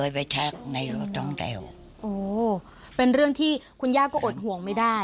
ไปชักในรถน้องแต้วโอ้เป็นเรื่องที่คุณย่าก็อดห่วงไม่ได้